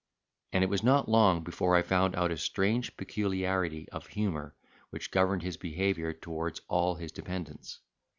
And it was not long before I found out a strange peculiarity of humour which governed his behaviour towards all his dependents.